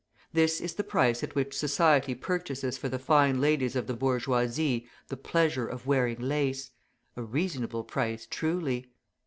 This is the price at which society purchases for the fine ladies of the bourgeoisie the pleasure of wearing lace; a reasonable price truly!